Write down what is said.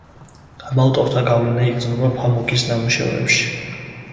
ამ ავტორთა გავლენა იგრძნობა ფამუქის ნამუშევრებში.